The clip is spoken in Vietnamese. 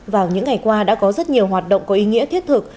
vào những ngày qua đã có rất nhiều hoạt động có ý nghĩa thiết thực